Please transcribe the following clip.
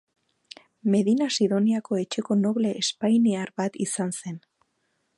Medina-Sidoniako Etxeko noble espainiar bat izan zen.